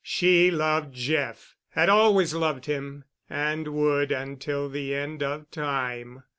She loved Jeff—had always loved him—and would until the end of time.